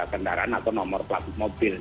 kendaraan atau nomor pelaku mobil